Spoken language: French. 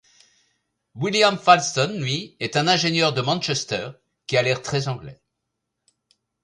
William Falsten, lui, est un ingénieur de Manchester, qui a l’air très-anglais.